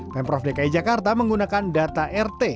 pemprov dki jakarta menggunakan data rt